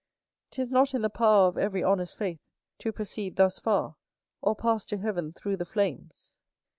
'Tis not in the power of every honest faith to proceed thus far, or pass to heaven through the flames.